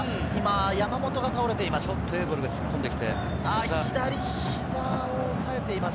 山本が倒れています。